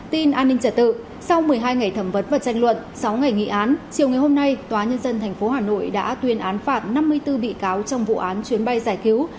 tin an ninh trả tự sau một mươi hai ngày thẩm vấn và tranh luận sáu ngày nghị án chiều ngày hôm nay tòa nhân dân tp hà nội đã tuyên án phạt năm mươi bốn bị cáo trong vụ án chuyến bay giải cứu